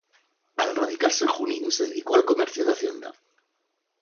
Al radicarse en Junín se dedicó al comercio de hacienda.